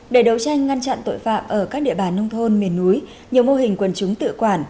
để đấu tranh ngăn chặn tội phạm ở các địa bàn nông thôn miền núi nhiều mô hình quần chúng tự quản